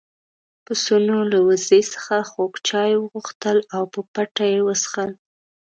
پسونو له وزې څخه خوږ چای وغوښتل او په پټه يې وڅښل.